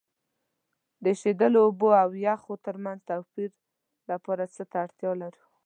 د ایشیدلو اوبو او یخ ترمنځ توپیر لپاره څه ته اړتیا لرو؟